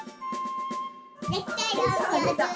できたよ！